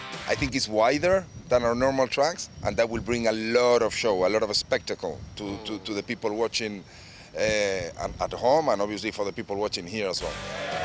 saya pikir ini lebih luas daripada truk normal kita dan itu akan membawa banyak pemandangan banyak spektakul untuk orang yang menonton di rumah dan juga untuk orang yang menonton di sini